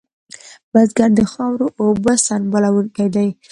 بزګر د خاورو اوبو سنبالونکی دی